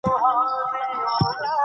ژمی د افغانستان د جغرافیې بېلګه ده.